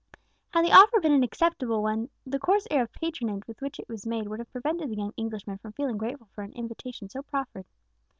Had the offer been an acceptable one, the coarse air of patronage with which it was made would have prevented the young Englishman from feeling grateful for an invitation so proffered.